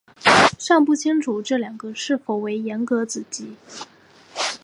尚不清楚这两个是否为严格子集。